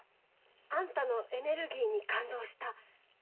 「あんたのエネルギーに感動した」。